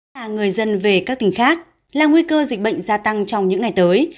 và người dân về các tỉnh khác là nguy cơ dịch bệnh gia tăng trong những ngày tới